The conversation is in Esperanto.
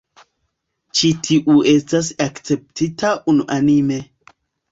Ĉi tiu estas akceptita unuanime.